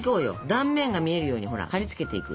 断面が見えるようにはりつけていく。